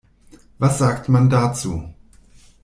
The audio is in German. Was sagt man dazu?